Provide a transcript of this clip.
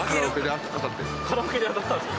カラオケで当たったんですか？